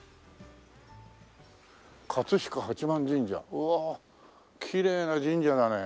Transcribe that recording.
うわきれいな神社だね。